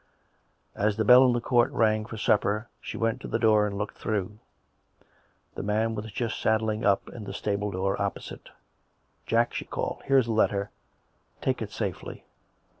... As the bell in the court rang for supper she went to the door and looked through. The man was just saddling up in the stable door opposite. " Jack," she called, " here is the letter. Take it safely."